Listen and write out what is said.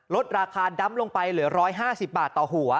ลดราคาดำลงไปเหลือ๑๕๐บาทต่อหัว